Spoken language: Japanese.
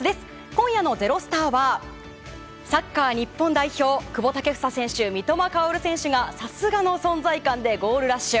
今夜の「＃ｚｅｒｏｓｔａｒ」はサッカー日本代表久保建英選手、三笘薫選手がさすがの存在感でゴールラッシュ。